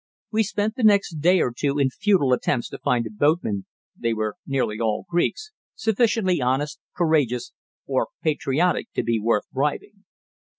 We spent the next day or two in futile attempts to find a boatman (they were nearly all Greeks) sufficiently honest, courageous, or patriotic to be worth bribing.